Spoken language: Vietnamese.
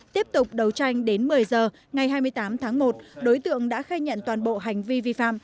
tiếp tục đấu tranh đến một mươi giờ ngày hai mươi tám tháng một đối tượng đã khai nhận toàn bộ hành vi vi phạm